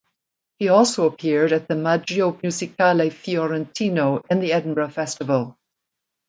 He also appeared at the Maggio Musicale Fiorentino and the Edinburgh Festival.